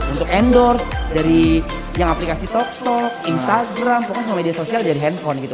untuk endorse dari yang aplikasi tok tok instagram pokoknya semua media sosial jadi handphone gitu